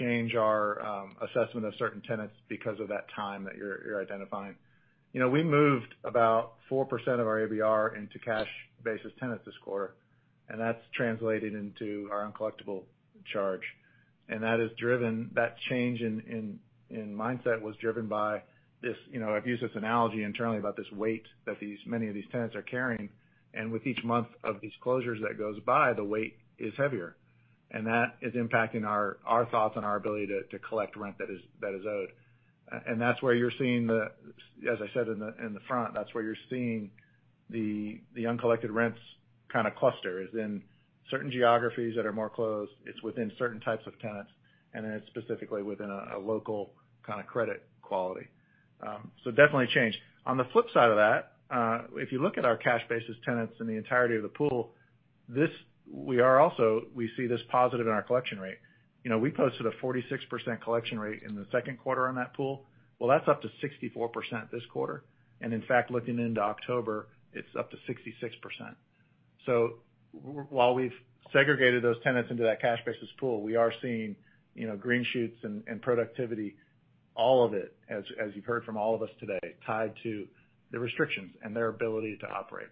change our assessment of certain tenants because of that time that you're identifying. We moved about 4% of our ABR into cash basis tenants this quarter, and that's translated into our uncollectible charge. That change in mindset was driven by this. I've used this analogy internally about this weight that many of these tenants are carrying, and with each month of these closures that goes by, the weight is heavier, and that is impacting our thoughts and our ability to collect rent that is owed. That's where you're seeing the, as I said in the front, that's where you're seeing the uncollected rents kind of cluster is in certain geographies that are more closed. It's within certain types of tenants, and then it's specifically within a local kind of credit quality. Definitely changed. On the flip side of that, if you look at our cash basis tenants in the entirety of the pool, we see this positive in our collection rate. We posted a 46% collection rate in the second quarter on that pool. Well, that's up to 64% this quarter. In fact, looking into October, it's up to 66%. While we've segregated those tenants into that cash basis pool, we are seeing green shoots and productivity, all of it, as you've heard from all of us today, tied to the restrictions and their ability to operate.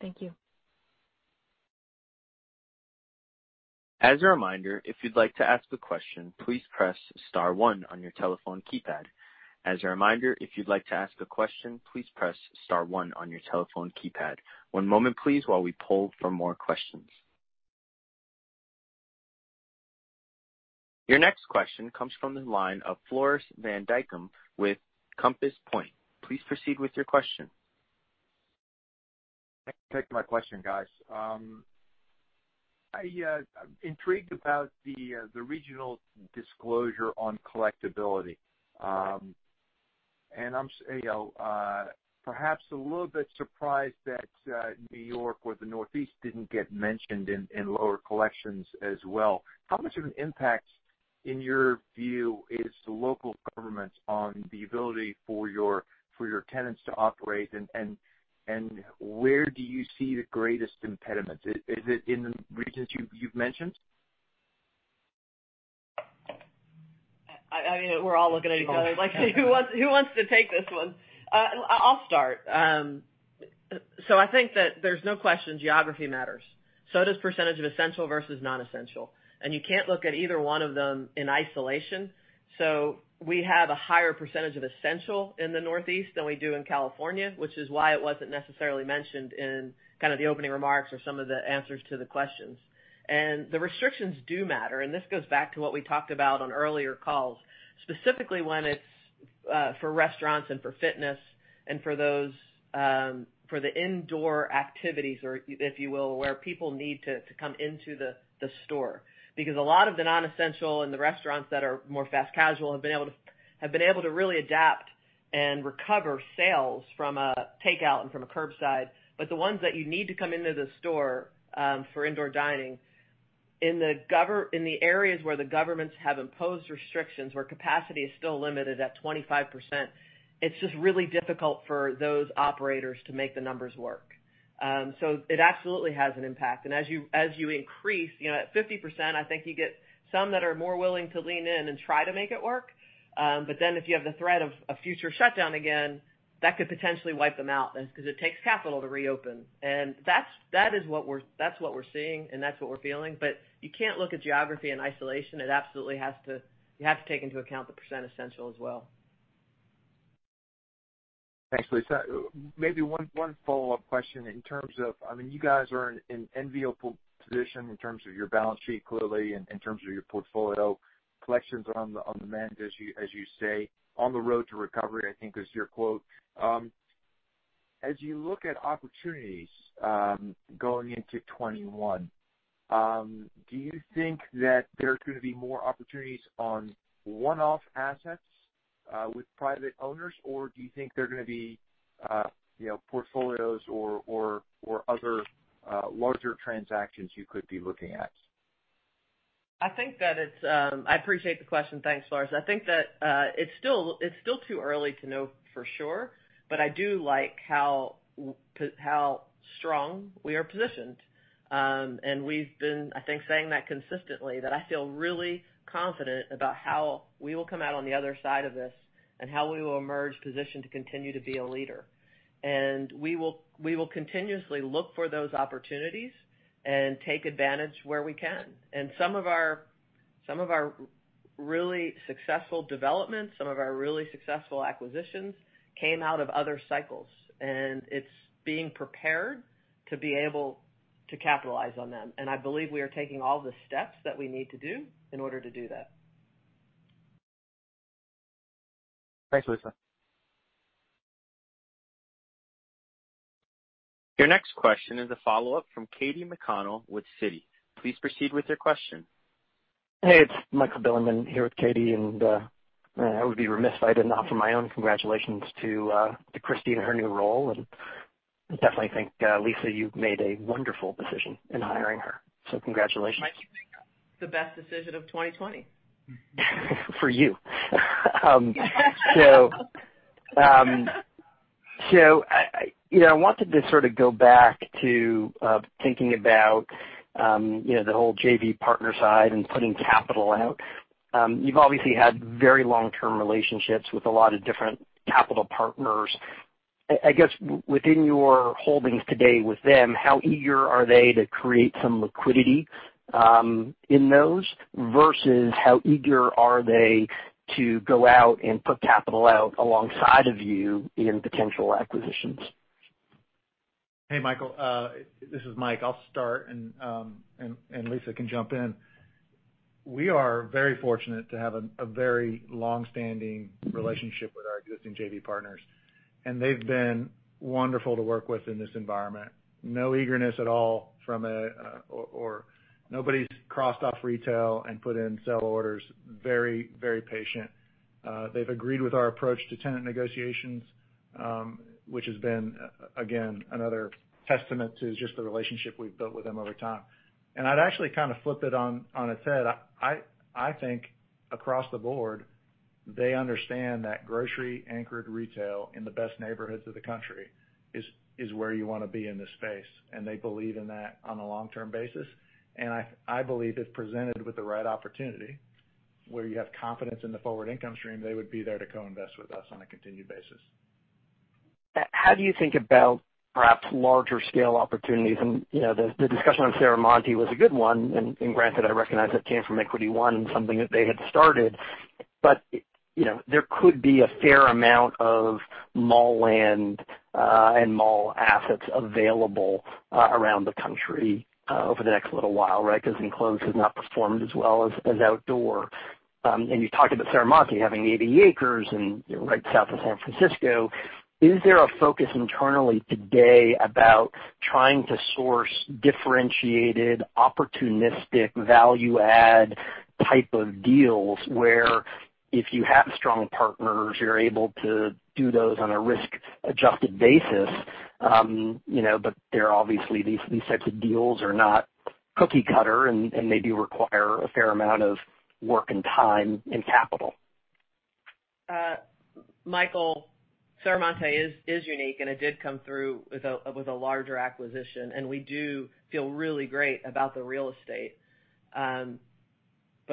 Thank you. As a reminder, if you'd like to ask a question, please press star one on your telephone keypad. As a reminder, if you'd like to ask a question, please press star one on your telephone keypad. One moment, please, while we poll for more questions. Your next question comes from the line of Floris van Dijkum with Compass Point. Please proceed with your question. I take my question, guys. I'm intrigued about the regional disclosure on collectibility. I'm perhaps a little bit surprised that New York or the Northeast didn't get mentioned in lower collections as well. How much of an impact? In your view, is the local governments on the ability for your tenants to operate, and where do you see the greatest impediments? Is it in the regions you've mentioned? I mean, we're all looking at each other like, who wants to take this one? I'll start. I think that there's no question geography matters. Does percentage of essential versus non-essential. You can't look at either one of them in isolation. We have a higher percentage of essential in the Northeast than we do in California, which is why it wasn't necessarily mentioned in kind of the opening remarks or some of the answers to the questions. The restrictions do matter, and this goes back to what we talked about on earlier calls, specifically when it's for restaurants and for fitness and for the indoor activities or, if you will, where people need to come into the store. A lot of the non-essential and the restaurants that are more fast casual have been able to really adapt and recover sales from a takeout and from a curbside. The ones that you need to come into the store, for indoor dining, in the areas where the governments have imposed restrictions, where capacity is still limited at 25%, it's just really difficult for those operators to make the numbers work. It absolutely has an impact. As you increase, at 50%, I think you get some that are more willing to lean in and try to make it work. If you have the threat of a future shutdown again, that could potentially wipe them out then, because it takes capital to reopen. That's what we're seeing, and that's what we're feeling. You can't look at geography in isolation. It absolutely you have to take into account the percentage essential as well. Thanks, Lisa. Maybe one follow-up question in terms of, I mean, you guys are in an enviable position in terms of your balance sheet, clearly, in terms of your portfolio. Collections are on the mend, as you say. On the road to recovery, I think is your quote. As you look at opportunities, going into 2021, do you think that there are going to be more opportunities on one-off assets, with private owners, or do you think they're going to be portfolios or other larger transactions you could be looking at? I appreciate the question. Thanks, Floris. I think that it's still too early to know for sure, but I do like how strong we are positioned. We've been, I think, saying that consistently, that I feel really confident about how we will come out on the other side of this and how we will emerge positioned to continue to be a leader. We will continuously look for those opportunities and take advantage where we can. Some of our really successful developments, some of our really successful acquisitions came out of other cycles, and it's being prepared to be able to capitalize on them. I believe we are taking all the steps that we need to do in order to do that. Thanks, Lisa. Your next question is a follow-up from Katy McConnell with Citi. Please proceed with your question. Hey, it's Michael Bilerman here with Katy. I would be remiss if I didn't offer my own congratulations to Christy in her new role, and definitely think, Lisa, you've made a wonderful decision in hiring her. Congratulations. Mike, you think? The best decision of 2020. For you. I wanted to sort of go back to thinking about the whole JV partner side and putting capital out. You've obviously had very long-term relationships with a lot of different capital partners. I guess within your holdings today with them, how eager are they to create some liquidity in those versus how eager are they to go out and put capital out alongside of you in potential acquisitions? Hey, Michael. This is Mike. I'll start and Lisa can jump in. We are very fortunate to have a very longstanding relationship with our existing JV partners, and they've been wonderful to work with in this environment. No eagerness at all, or nobody's crossed off retail and put in sell orders. Very patient. They've agreed with our approach to tenant negotiations, which has been, again, another testament to just the relationship we've built with them over time. I'd actually kind of flipped it on its head. I think across the board, they understand that grocery-anchored retail in the best neighborhoods of the country is where you want to be in this space, and they believe in that on a long-term basis. I believe if presented with the right opportunity, where you have confidence in the forward income stream, they would be there to co-invest with us on a continued basis. How do you think about perhaps larger scale opportunities? The discussion on Serramonte was a good one, and granted, I recognize that came from Equity One, something that they had started, but there could be a fair amount of mall land, and mall assets available around the country over the next little while, right? Because enclosed has not performed as well as outdoor. You talked about Serramonte having 80 acres and right south of San Francisco. Is there a focus internally today about trying to source differentiated, opportunistic, value add type of deals, where if you have strong partners, you're able to do those on a risk-adjusted basis? Obviously, these types of deals are not cookie cutter and maybe require a fair amount of work and time and capital. Michael, Serramonte is unique, it did come through with a larger acquisition, and we do feel really great about the real estate.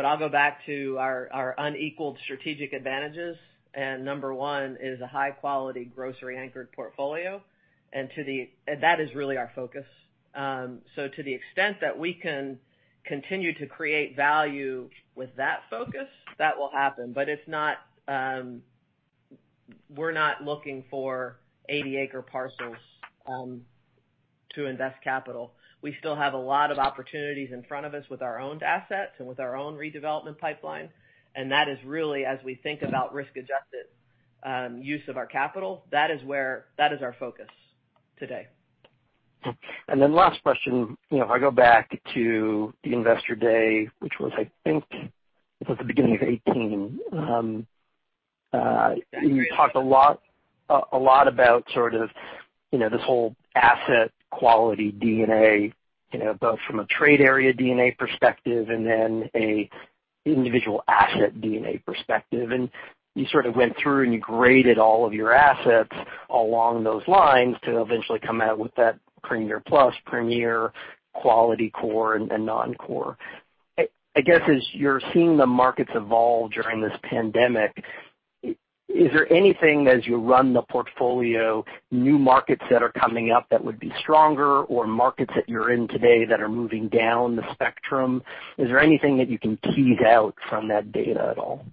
I'll go back to our unequaled strategic advantages, number one is a high-quality, grocery-anchored portfolio, and that is really our focus. To the extent that we can continue to create value with that focus, that will happen. We're not looking for 80-acre parcels to invest capital. We still have a lot of opportunities in front of us with our owned assets and with our own redevelopment pipeline, that is really, as we think about risk-adjusted use of our capital, that is our focus today. Last question. If I go back to the investor day, which was, I think, it was at the beginning of 2018. You talked a lot about sort of this whole asset quality DNA, both from a trade area DNA perspective and then an individual asset DNA perspective. You sort of went through and you graded all of your assets along those lines to eventually come out with that Premier Plus, Premier, Quality Core, and Non-Core. I guess as you're seeing the markets evolve during this pandemic, is there anything as you run the portfolio, new markets that are coming up that would be stronger or markets that you're in today that are moving down the spectrum? Is there anything that you can tease out from that data at all?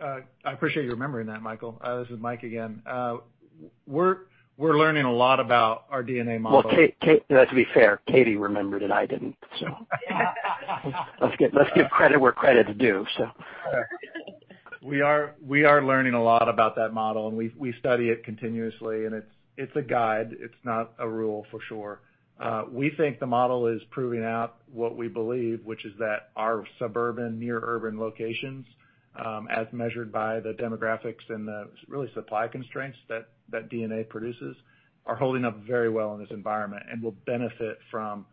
I appreciate you remembering that, Michael. This is Mike again. We're learning a lot about our DNA model. Well, to be fair, Katy remembered it, I didn't. Let's give credit where credit's due. We are learning a lot about that model, and we study it continuously, and it's a guide. It's not a rule, for sure. We think the model is proving out what we believe, which is that our suburban, near urban locations, as measured by the demographics and the, really, supply constraints that DNA produces, are holding up very well in this environment and will benefit from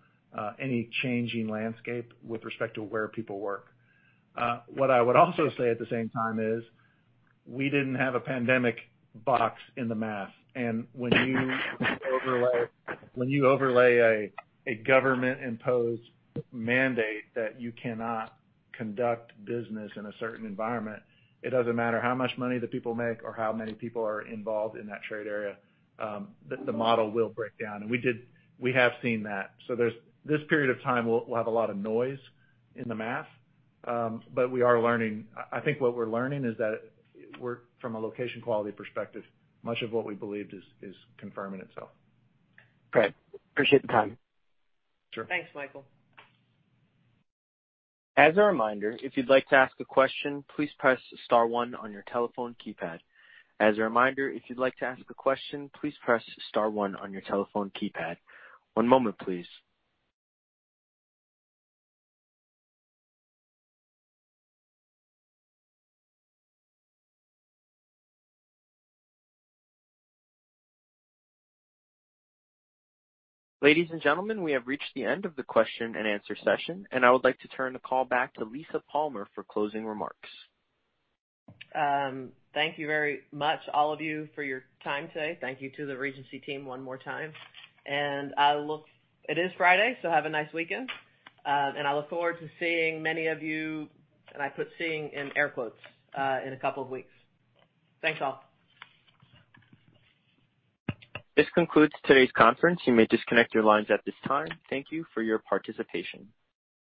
any changing landscape with respect to where people work. What I would also say at the same time is we didn't have a pandemic box in the math. When you overlay a government-imposed mandate that you cannot conduct business in a certain environment, it doesn't matter how much money the people make or how many people are involved in that trade area, the model will break down. We have seen that. This period of time will have a lot of noise in the math, but we are learning. I think what we're learning is that from a location quality perspective, much of what we believed is confirming itself. Great. Appreciate the time. Sure. Thanks, Michael. As a reminder, if you'd like to ask a question, please press star one on your telephone keypad. As a reminder, if you'd like to ask a question, please press star one on your telephone keypad. One moment, please. Ladies and gentlemen, we have reached the end of the question-and--answer session, and I would like to turn the call back to Lisa Palmer for closing remarks. Thank you very much, all of you, for your time today. Thank you to the Regency team one more time. It is Friday, so have a nice weekend. I look forward to seeing many of you, and I put seeing in air quotes, in a couple of weeks. Thanks, all. This concludes today's conference. You may disconnect your lines at this time. Thank you for your participation.